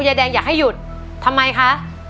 ยายแดงอยากให้หยุดทำไมคะ